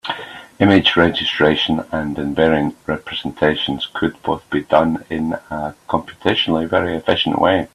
Image registration and invariant representations could both be done in a computationally very efficient way.